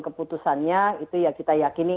keputusannya itu ya kita yakini